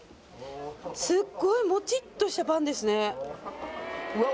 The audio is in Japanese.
すっごいモチッとしたパンですねうわ